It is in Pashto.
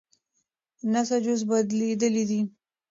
نسج اوس بدلېدلی دی.